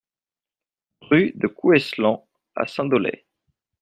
Rue de Coueslan à Saint-Dolay